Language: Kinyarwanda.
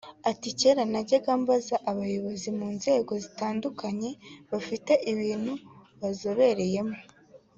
Ati “Kera najyaga mbaza abayobozi mu nzego zitandukanye bafite ibintu bazobereyemo